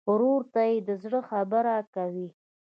ورور ته د زړه خبره کوې.